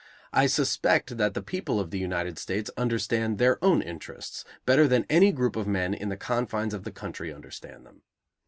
I suspect that the people of the United States understand their own interests better than any group of men in the confines of the country understand them.